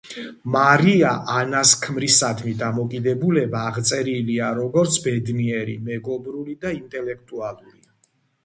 მარია ანას ქმრისადმი დამოკიდებულება აღწერილია როგორც ბედნიერი, მეგობრული და ინტელექტუალური.